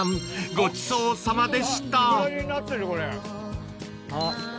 ごちそうさまでしたあっ